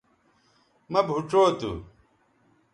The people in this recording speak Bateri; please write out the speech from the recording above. مہ بھوچو تھو